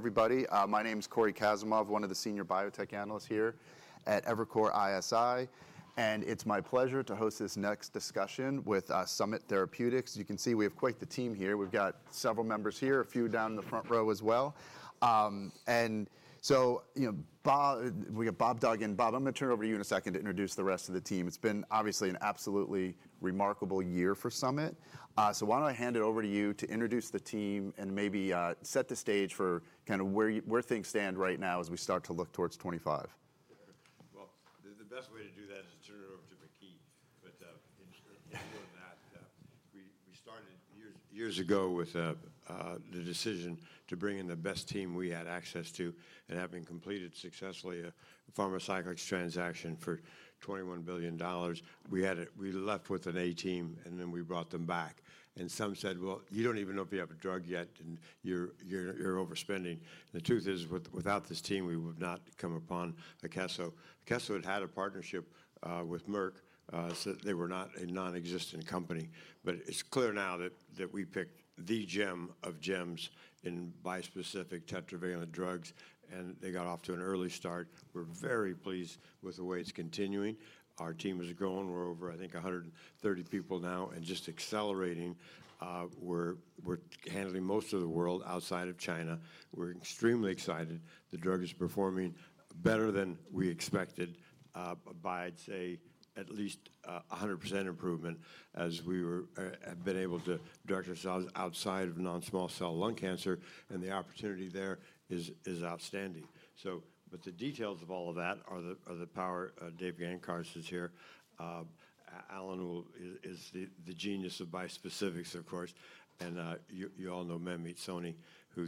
Good morning, everybody. My name is Corey Kasimov, one of the senior biotech analysts here at Evercore ISI, and it's my pleasure to host this next discussion with Summit Therapeutics. You can see we have quite the team here. We've got several members here, a few down in the front row as well, and so, you know, we got Bob Duggan. Bob, I'm going to turn it over to you in a second to introduce the rest of the team. It's been obviously an absolutely remarkable year for Summit. So why don't I hand it over to you to introduce the team and maybe set the stage for kind of where things stand right now as we start to look towards 2025? The best way to do that is to turn it over to Maky. More than that, we started years ago with the decision to bring in the best team we had access to and having completed successfully a pharmaceutical transaction for $21 billion. We left with an A team, and then we brought them back. Some said, well, you don't even know if you have a drug yet, and you're overspending. The truth is, without this team, we would not have come upon Akeso. Akeso had had a partnership with Merck, so they were not a non-existent company. But it's clear now that we picked the gem of gems in bispecific tetravalent drugs, and they got off to an early start. We're very pleased with the way it's continuing. Our team is growing. We're over, I think, 130 people now and just accelerating. We're handling most of the world outside of China. We're extremely excited. The drug is performing better than we expected, by, I'd say, at least 100% improvement, as we have been able to direct ourselves outside of non-small cell lung cancer. And the opportunity there is outstanding. But the details of all of that are the power. Dave Gancarz is here. Allen is the genius of bispecifics, of course. And you all know Manmeet Soni, who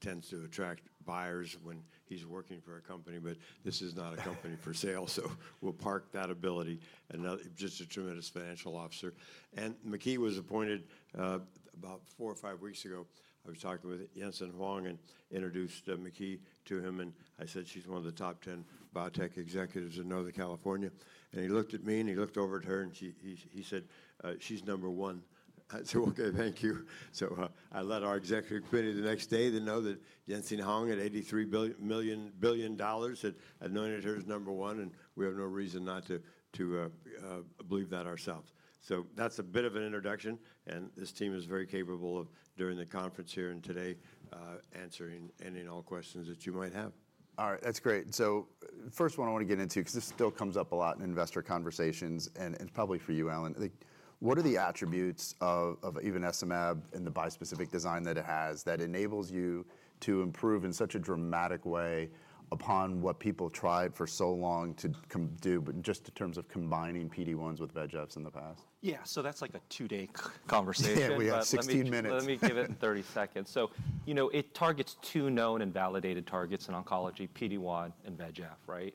tends to attract buyers when he's working for a company. But this is not a company for sale, so we'll park that ability. And just a tremendous financial officer. And Maky was appointed about four or five weeks ago. I was talking with Jensen Huang and introduced Maky to him. And I said, she's one of the top 10 biotech executives in Northern California. He looked at me, and he looked over at her, and he said, she's number one. I said, okay, thank you. I let our executive committee the next day to know that Jensen Huang at $83 billion had nominated her as number one, and we have no reason not to believe that ourselves. That's a bit of an introduction. This team is very capable of, during the conference here and today, answering any and all questions that you might have. All right, that's great. So first one I want to get into, because this still comes up a lot in investor conversations, and probably for you, Allen, what are the attributes of ivonescimab and the bispecific design that it has that enables you to improve in such a dramatic way upon what people tried for so long to do, just in terms of combining PD-1s with VEGFs in the past? Yeah, so that's like a two-day conversation. Yeah, we have 16 minutes. Let me give it 30 seconds. You know, it targets two known and validated targets in oncology, PD-1 and VEGF, right?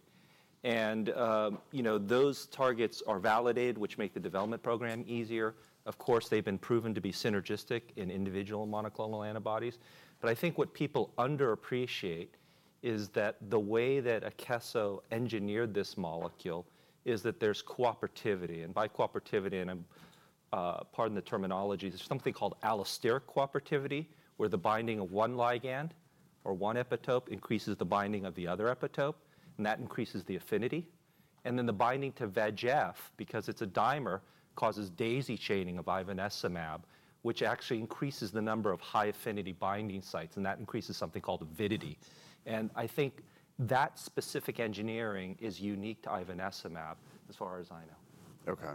You know, those targets are validated, which make the development program easier. Of course, they've been proven to be synergistic in individual monoclonal antibodies. I think what people underappreciate is that the way that Akeso engineered this molecule is that there's cooperativity. By cooperativity, and pardon the terminology, there's something called allosteric cooperativity, where the binding of one ligand or one epitope increases the binding of the other epitope, and that increases the affinity. Then the binding to VEGF, because it's a dimer, causes daisy chaining of ivonescimab, which actually increases the number of high affinity binding sites, and that increases something called avidity. I think that specific engineering is unique to ivonescimab, as far as I know. Okay,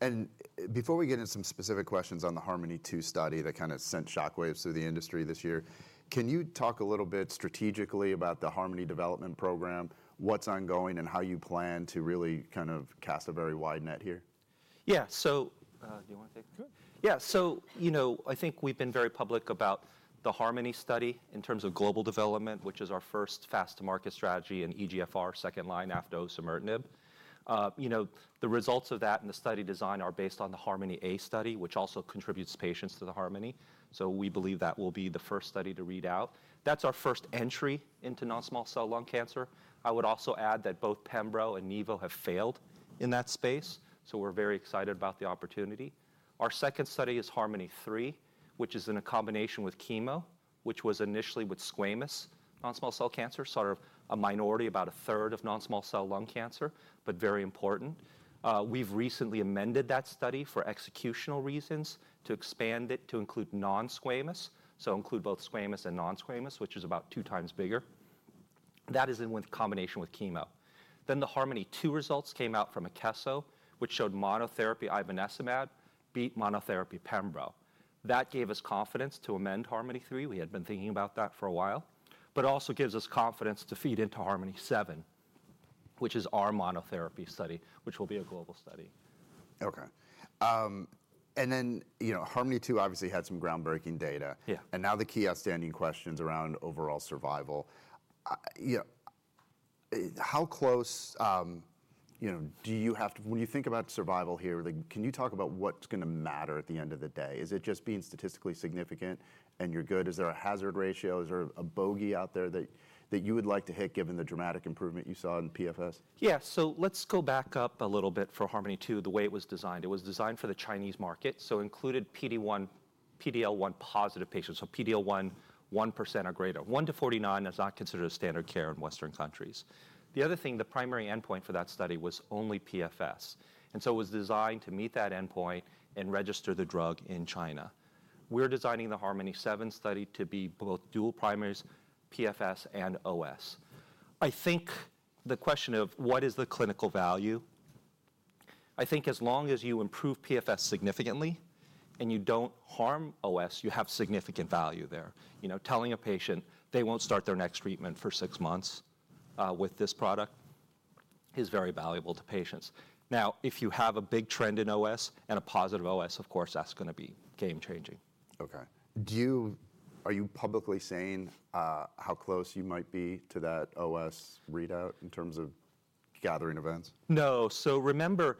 and before we get into some specific questions on the HARMONi-2 study that kind of sent shockwaves through the industry this year, can you talk a little bit strategically about the HARMONi development program, what's ongoing, and how you plan to really kind of cast a very wide net here? Yeah, so do you want to take it? Sure. Yeah, so, you know, I think we've been very public about the HARMONi study in terms of global development, which is our first fast-to-market strategy in EGFR, second line after osimertinib. You know, the results of that and the study design are based on the HARMONi-A study, which also contributes patients to the HARMONi. So we believe that will be the first study to read out. That's our first entry into non-small cell lung cancer. I would also add that both Pembro and Nivo have failed in that space, so we're very excited about the opportunity. Our second study is HARMONi-3, which is in a combination with chemo, which was initially with squamous non-small cell cancer, sort of a minority, about a third of non-small cell lung cancer, but very important. We've recently amended that study for executional reasons to expand it to include non-squamous, so include both squamous and non-squamous, which is about two times bigger. That is in combination with chemo. Then the HARMONi-2 results came out from Akeso, which showed monotherapy ivonescimab beat monotherapy pembrolizumab. That gave us confidence to amend HARMONi-3. We had been thinking about that for a while, but it also gives us confidence to feed into HARMONi-7, which is our monotherapy study, which will be a global study. Okay. And then, you know, HARMONi-2 obviously had some groundbreaking data. And now the key outstanding questions around overall survival. How close do you have to, when you think about survival here, can you talk about what's going to matter at the end of the day? Is it just being statistically significant and you're good? Is there a hazard ratio? Is there a bogey out there that you would like to hit given the dramatic improvement you saw in PFS? Yeah, so let's go back up a little bit for HARMONi-2, the way it was designed. It was designed for the Chinese market, so included PD-L1 positive patients, so PD-L1 1% or greater. 1%-49% is not considered standard care in Western countries. The other thing, the primary endpoint for that study was only PFS. And so it was designed to meet that endpoint and register the drug in China. We're designing the HARMONi-7 study to be both dual primaries, PFS and OS. I think the question of what is the clinical value, I think as long as you improve PFS significantly and you don't harm OS, you have significant value there. You know, telling a patient they won't start their next treatment for six months with this product is very valuable to patients. Now, if you have a big trend in OS and a positive OS, of course, that's going to be game-changing. Okay. Are you publicly saying how close you might be to that OS readout in terms of gathering events? No. So, remember,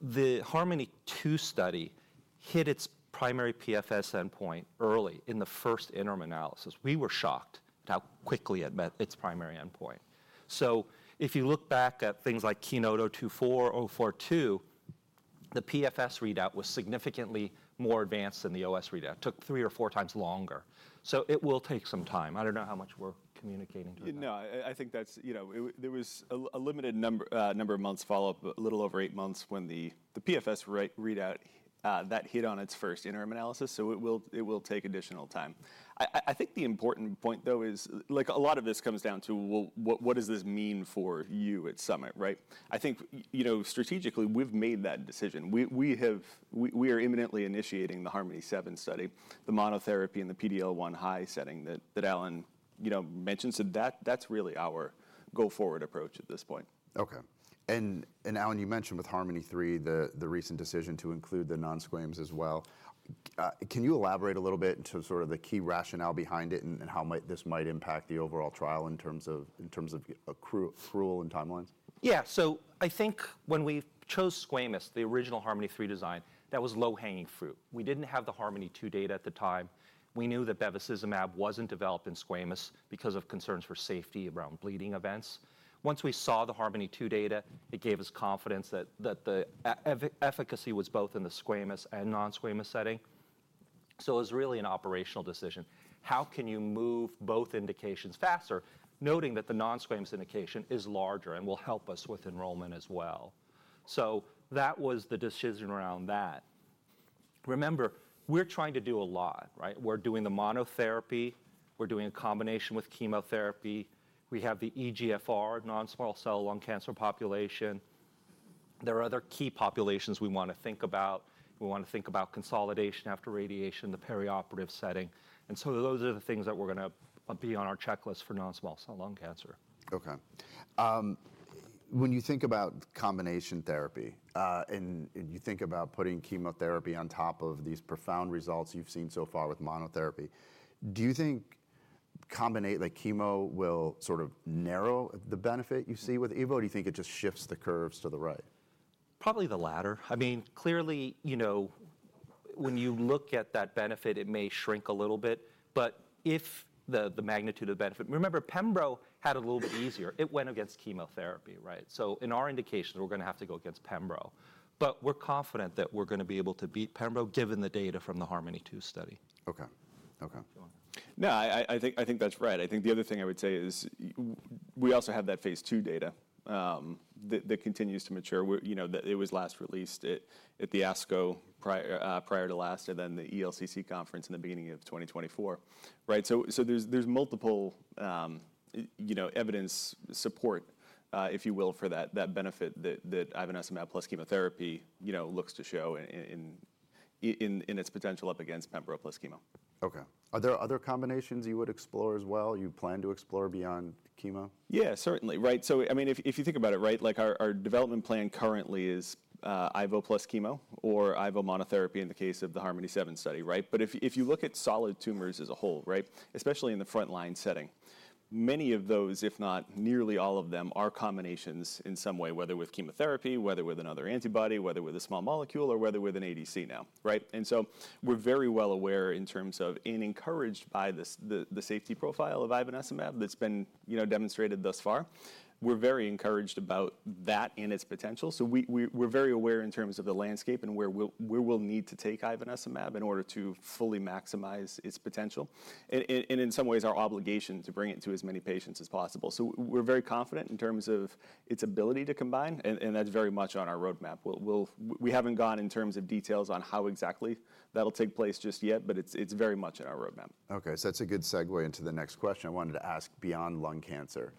the HARMONi-2 study hit its primary PFS endpoint early in the first interim analysis. We were shocked at how quickly it met its primary endpoint. So if you look back at things like KEYNOTE-024, KEYNOTE-042, the PFS readout was significantly more advanced than the OS readout. It took three or four times longer. So it will take some time. I don't know how much we're communicating to them. No, I think that's, you know, there was a limited number of months follow-up, a little over eight months when the PFS readout that hit on its first interim analysis. So it will take additional time. I think the important point, though, is like a lot of this comes down to what does this mean for you at Summit, right? I think, you know, strategically, we've made that decision. We are imminently initiating the HARMONi-7 study, the monotherapy and the PD-L1 high setting that Allen mentioned. So that's really our go-forward approach at this point. Okay, and Allen, you mentioned with HARMONi-3, the recent decision to include the non-squamous as well. Can you elaborate a little bit into sort of the key rationale behind it and how this might impact the overall trial in terms of accrual and timelines? Yeah, so I think when we chose squamous, the original HARMONi-3 design, that was low-hanging fruit. We didn't have the HARMONi-2 data at the time. We knew that bevacizumab wasn't developed in squamous because of concerns for safety around bleeding events. Once we saw the HARMONi-2 data, it gave us confidence that the efficacy was both in the squamous and non-squamous setting. So it was really an operational decision. How can you move both indications faster, noting that the non-squamous indication is larger and will help us with enrollment as well? So that was the decision around that. Remember, we're trying to do a lot, right? We're doing the monotherapy. We're doing a combination with chemotherapy. We have the EGFR, non-small cell lung cancer population. There are other key populations we want to think about. We want to think about consolidation after radiation, the perioperative setting. Those are the things that we're going to be on our checklist for non-small cell lung cancer. Okay. When you think about combination therapy and you think about putting chemotherapy on top of these profound results you've seen so far with monotherapy, do you think combination like chemo will sort of narrow the benefit you see with Ivo? Do you think it just shifts the curves to the right? Probably the latter. I mean, clearly, you know, when you look at that benefit, it may shrink a little bit. But if the magnitude of benefit, remember, Pembro had it a little bit easier. It went against chemotherapy, right? So in our indications, we're going to have to go against Pembro. But we're confident that we're going to be able to beat Pembro given the data from the HARMONi-2 study. Okay. No, I think that's right. I think the other thing I would say is we also have that phase two data that continues to mature. You know, it was last released at the ASCO prior to last and then the ELCC conference in the beginning of 2024, right? So there's multiple evidence support, if you will, for that benefit that ivonescimab plus chemotherapy looks to show in its potential up against Pembro plus chemo. Okay. Are there other combinations you would explore as well? You plan to explore beyond chemo? Yeah, certainly, right? So I mean, if you think about it, right, like our development plan currently is Ivo plus chemo or Ivo monotherapy in the case of the HARMONi-7 study, right? But if you look at solid tumors as a whole, right, especially in the frontline setting, many of those, if not nearly all of them, are combinations in some way, whether with chemotherapy, whether with another antibody, whether with a small molecule, or whether with an ADC now, right? And so we're very well aware in terms of and encouraged by the safety profile of ivonescimab that's been demonstrated thus far. We're very encouraged about that and its potential. So we're very aware in terms of the landscape and where we'll need to take ivonescimab in order to fully maximize its potential. And in some ways, our obligation to bring it to as many patients as possible. So we're very confident in terms of its ability to combine. And that's very much on our roadmap. We haven't gone in terms of details on how exactly that'll take place just yet, but it's very much in our roadmap. Okay. So that's a good segue into the next question I wanted to ask beyond lung cancer.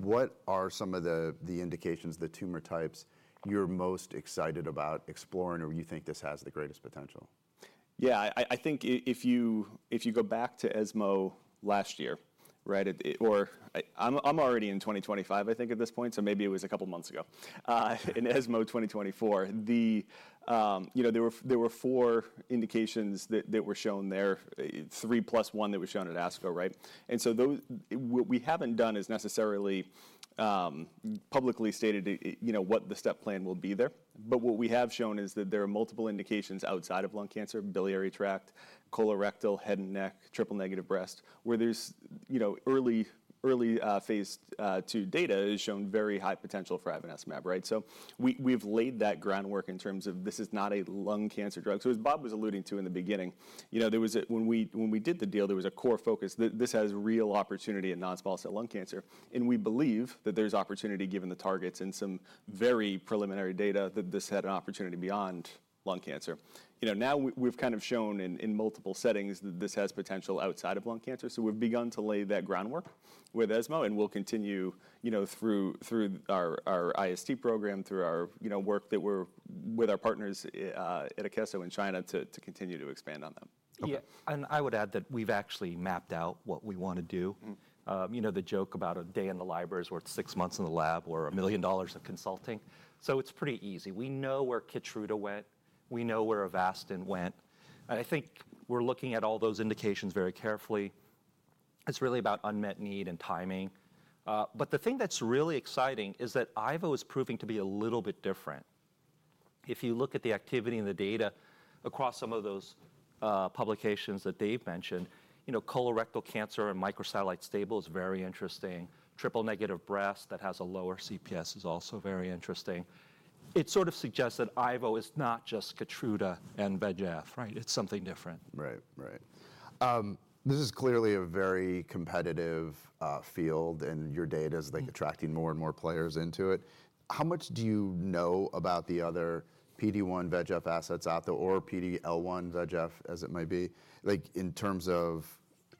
What are some of the indications, the tumor types you're most excited about exploring or you think this has the greatest potential? Yeah, I think if you go back to ESMO last year, right, or I'm already in 2025. I think at this point, so maybe it was a couple of months ago, in ESMO 2024, you know, there were four indications that were shown there, three plus one that was shown at ASCO, right. What we haven't done is necessarily publicly stated what the step plan will be there. But what we have shown is that there are multiple indications outside of lung cancer, biliary tract, colorectal, head and neck, triple-negative breast, where there's early phase two data has shown very high potential for ivonescimab, right. We've laid that groundwork in terms of this is not a lung cancer drug. So as Bob was alluding to in the beginning, you know, when we did the deal, there was a core focus that this has real opportunity in non-small cell lung cancer. And we believe that there's opportunity given the targets and some very preliminary data that this had an opportunity beyond lung cancer. You know, now we've kind of shown in multiple settings that this has potential outside of lung cancer. So we've begun to lay that groundwork with ESMO and we'll continue through our IST program, through our work with our partners at Akeso in China to continue to expand on them. Okay. Yeah, and I would add that we've actually mapped out what we want to do. You know, the joke about a day in the library is worth six months in the lab or $1 million of consulting. So it's pretty easy. We know where Keytruda went. We know where Avastin went. I think we're looking at all those indications very carefully. It's really about unmet need and timing. But the thing that's really exciting is that Ivo is proving to be a little bit different. If you look at the activity and the data across some of those publications that they've mentioned, you know, colorectal cancer and microsatellite stable is very interesting. Triple-negative breast that has a lower CPS is also very interesting. It sort of suggests that Ivo is not just Keytruda and VEGF, right? It's something different. Right, right. This is clearly a very competitive field and your data is like attracting more and more players into it. How much do you know about the other PD-1 VEGF assets out there or PD-L1 VEGF as it might be, like in terms of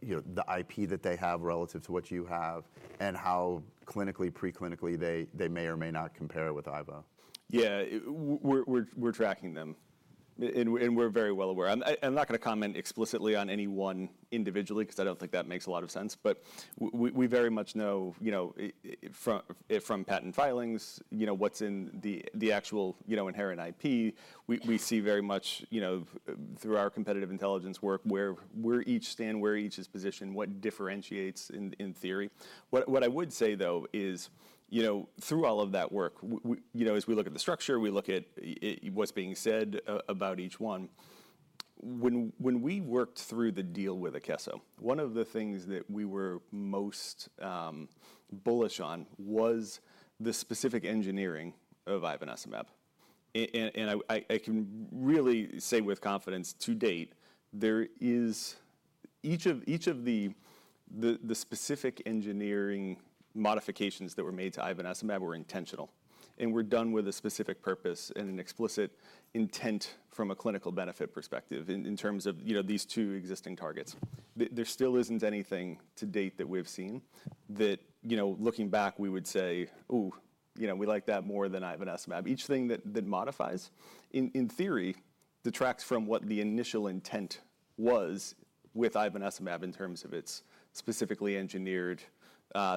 the IP that they have relative to what you have and how clinically, preclinically they may or may not compare with Ivo? Yeah, we're tracking them and we're very well aware. I'm not going to comment explicitly on any one individually because I don't think that makes a lot of sense. But we very much know from patent filings, you know, what's in the actual inherent IP. We see very much through our competitive intelligence work where we each stand, where each is positioned, what differentiates in theory. What I would say though is, you know, through all of that work, you know, as we look at the structure, we look at what's being said about each one. When we worked through the deal with Akeso, one of the things that we were most bullish on was the specific engineering of ivonescimab. I can really say with confidence to date, there is each of the specific engineering modifications that were made to ivonescimab were intentional and were done with a specific purpose and an explicit intent from a clinical benefit perspective in terms of these two existing targets. There still isn't anything to date that we've seen that, you know, looking back, we would say, oh, you know, we like that more than ivonescimab. Each thing that modifies, in theory, detracts from what the initial intent was with ivonescimab in terms of its specifically engineered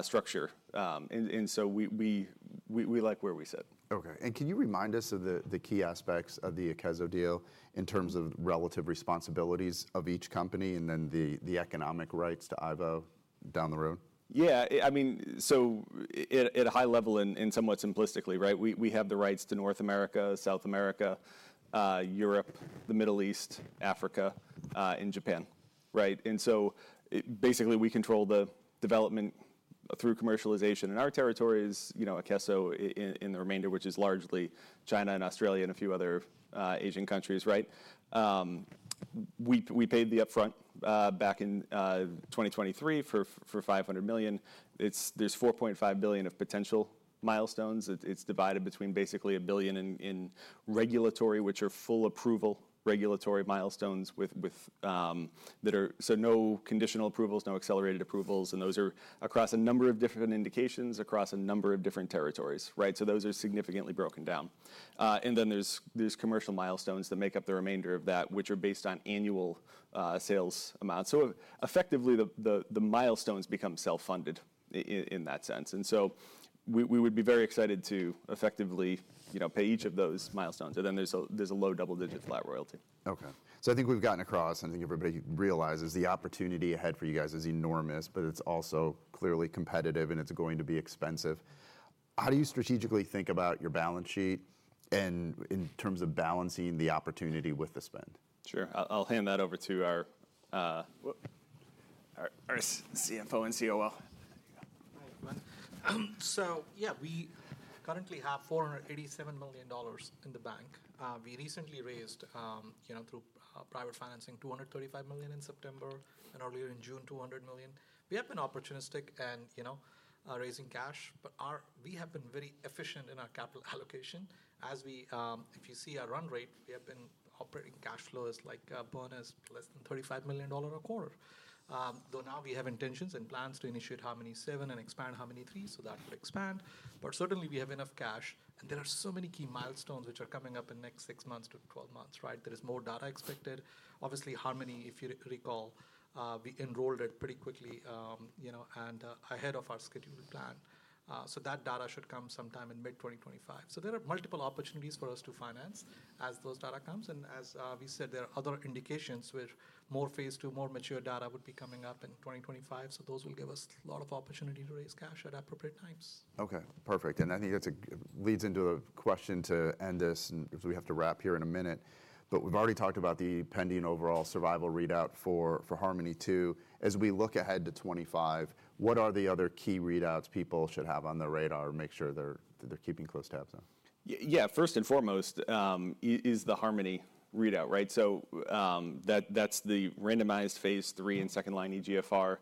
structure. So we like where we sit. Okay. And can you remind us of the key aspects of the Akeso deal in terms of relative responsibilities of each company and then the economic rights to ivonescimab down the road? Yeah. I mean, so at a high level and somewhat simplistically, right, we have the rights to North America, South America, Europe, the Middle East, Africa, and Japan, right? And so basically we control the development through commercialization. And our territory is, you know, Akeso in the remainder, which is largely China and Australia and a few other Asian countries, right? We paid the upfront back in 2023 for $500 million. There's $4.5 billion of potential milestones. It's divided between basically $1 billion in regulatory, which are full approval regulatory milestones that are so no conditional approvals, no accelerated approvals. And those are across a number of different indications across a number of different territories, right? So those are significantly broken down. And then there's commercial milestones that make up the remainder of that, which are based on annual sales amounts. So effectively, the milestones become self-funded in that sense. And so we would be very excited to effectively pay each of those milestones. And then there's a low double-digit flat royalty. Okay, so I think we've gotten across, and I think everybody realizes the opportunity ahead for you guys is enormous, but it's also clearly competitive and it's going to be expensive. How do you strategically think about your balance sheet and in terms of balancing the opportunity with the spend? Sure. I'll hand that over to our CFO and COO. Yeah, we currently have $487 million in the bank. We recently raised, you know, through private financing, $235 million in September and earlier in June, $200 million. We have been opportunistic and, you know, raising cash, but we have been very efficient in our capital allocation. As we, if you see our run rate, we have been operating cash flow is like burn less than $35 million a quarter. Though now we have intentions and plans to initiate HARMONi-7 and expand HARMONi-3 so that could expand. But certainly we have enough cash and there are so many key milestones which are coming up in the next six months to 12 months, right? There is more data expected. Obviously, HARMONi, if you recall, we enrolled it pretty quickly, you know, and ahead of our scheduled plan. So that data should come sometime in mid-2025. So there are multiple opportunities for us to finance as those data comes. And as we said, there are other indications where more phase two, more mature data would be coming up in 2025. So those will give us a lot of opportunity to raise cash at appropriate times. Okay. Perfect. And I think that leads into a question to end this as we have to wrap here in a minute. But we've already talked about the pending overall survival readout for HARMONi-2. As we look ahead to 2025, what are the other key readouts people should have on their radar to make sure they're keeping close tabs on? Yeah, first and foremost is the HARMONi readout, right? So that's the randomized phase 3 and second line EGFR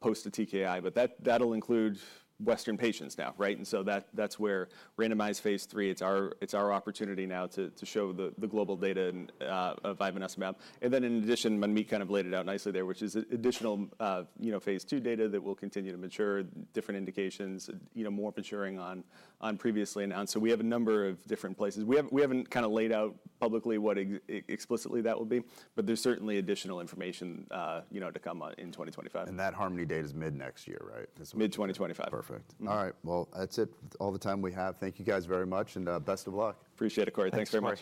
post the TKI. But that'll include Western patients now, right? And so that's where randomized phase 3, it's our opportunity now to show the global data of ivonescimab. And then in addition, Manmeet kind of laid it out nicely there, which is additional phase 2 data that will continue to mature, different indications, you know, more maturing on previously announced. So we have a number of different places. We haven't kind of laid out publicly what explicitly that will be, but there's certainly additional information, you know, to come in 2025. That HARMONi date is mid-next year, right? Mid-2025. Perfect. All right. Well, that's it. All the time we have. Thank you guys very much and best of luck. Appreciate it, Corey. Thanks very much.